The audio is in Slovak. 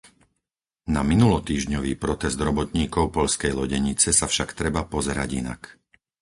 Na minulotýždňový protest robotníkov poľskej lodenice sa však treba pozerať inak.